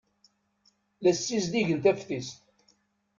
La ssizdigen taftist.